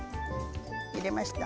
入れましたか？